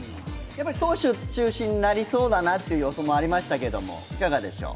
投手中心になりそうだなという予想もありましたけど。